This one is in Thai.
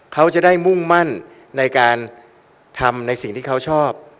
เขาจะได้มุ่งมั่นในการทำในสิ่งที่เขาชอบ